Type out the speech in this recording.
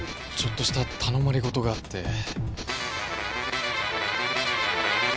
ちょっとした頼まれ事があって。